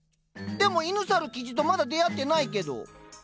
でも犬猿キジとまだ出会ってないけど。